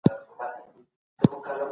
د لویې جرګي پرېکړه لیک څنګه مسوده کیږي؟